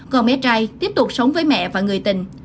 con bé trai tiếp tục sống với mẹ và người tình